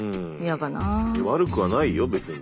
悪くはないよ別に。